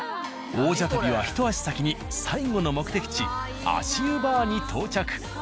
王者旅はひと足先に最後の目的地足湯バーに到着。